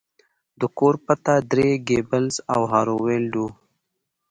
د کور پته درې ګیبلز او هارو ویلډ وه